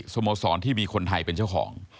สโมสรที่มีคนไทยเป็นเจ้าของ